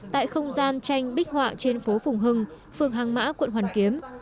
tại không gian tranh bích họa trên phố phùng hưng phường hàng mã quận hoàn kiếm